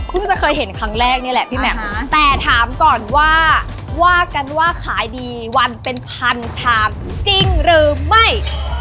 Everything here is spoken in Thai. จะเคยเห็นครั้งแรกนี่แหละพี่แหม่มแต่ถามก่อนว่าว่ากันว่าขายดีวันเป็นพันชามจริงหรือไม่